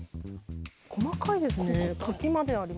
細かいですね。